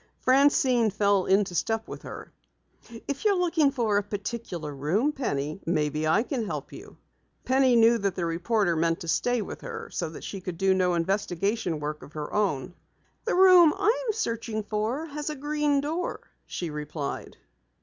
Francine fell into step with her. "If you're looking for a particular room, Penny, maybe I can help you." Penny knew that the reporter meant to stay with her so that she could do no investigation work of her own. "The room I am searching for has a green door," she replied.